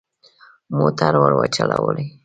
موټر ورو چلوئ